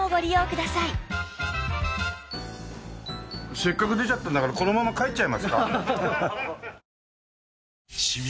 せっかく出ちゃったんだからこのまま帰っちゃいますか？